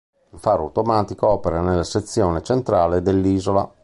Un faro automatico opera nella sezione centrale dell'isola.